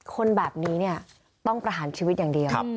คนแบบนี้เนี่ยต้องประหารชีวิตอย่างเดียว